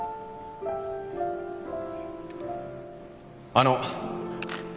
あの